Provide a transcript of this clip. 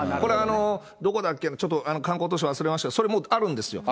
どこだっけ、ちょっと観光都市忘れましたけどそれもあるんですよ。